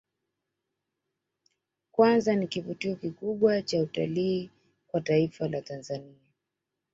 Kwanza ni kivutio kikubwa cha utalii kwa taifa la Tanzania